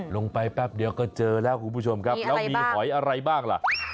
แป๊บเดียวก็เจอแล้วคุณผู้ชมครับแล้วมีหอยอะไรบ้างล่ะ